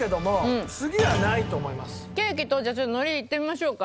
ケーキとじゃあちょっと海苔いってみましょうか。